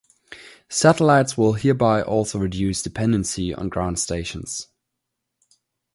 Satellites will hereby also reduce dependency on ground stations.